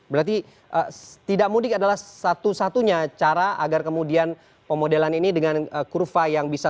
berarti tidak mudik adalah satu satunya cara agar kemudian pemodelan ini dengan kurva yang bisa